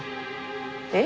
えっ？